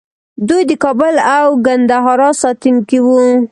دوی د کابل او ګندهارا ساتونکي وو